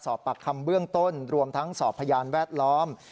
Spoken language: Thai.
สอบปากคำเบื้องต้นรวมทั้งสอบพยานแวดล้อม